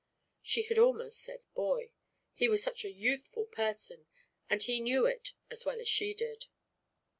She had almost said "boy," he was such a youthful person, and he knew it as well as she did.